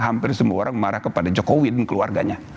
hampir semua orang marah kepada jokowi dan keluarganya